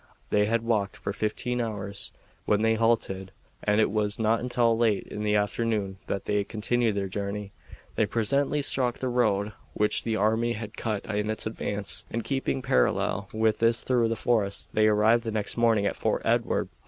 They had walked for fifteen hours when they halted, and it was not until late in the afternoon that they continued their journey. They presently struck the road which the army had cut in its advance, and keeping parallel with this through the forest they arrived the next morning at Fort Edward.